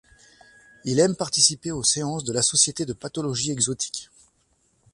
Il aime participer aux séances de la Société de pathologie exotique.